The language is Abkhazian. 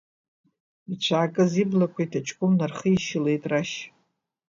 Ицәаакыз иблақәа иҭаҷкәым нархишьылеит Рашь.